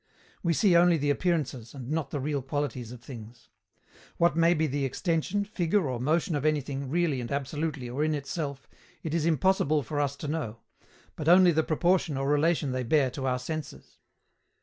We see only the appearances, and not the real qualities of things. What may be the extension, figure, or motion of anything really and absolutely, or in itself, it is impossible for us to know, but only the proportion or relation they bear to our senses.